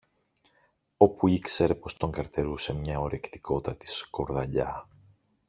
όπου ήξερε πως τον καρτερούσε μια ορεκτικότατη σκορδαλιά.